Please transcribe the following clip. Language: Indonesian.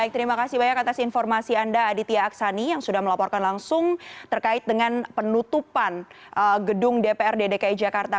baik terima kasih banyak atas informasi anda aditya aksani yang sudah melaporkan langsung terkait dengan penutupan gedung dprd dki jakarta